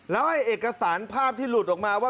แล้วไอ้เอกสารภาพที่หลุดออกมาว่า